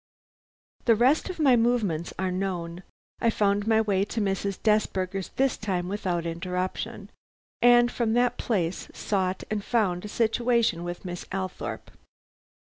"The rest of my movements are known. I found my way to Mrs. Desberger's, this time without interruption; and from that place sought and found a situation with Miss Althorpe.